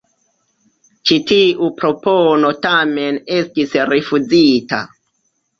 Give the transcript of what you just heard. Ĉi tiu propono tamen estis rifuzita.